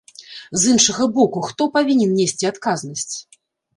З іншага боку, хто павінен несці адказнасць?